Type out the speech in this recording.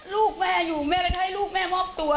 ลูกแม่อยู่แม่ก็จะให้ลูกแม่มอบตัว